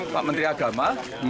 pak menteri agama